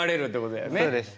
そうです。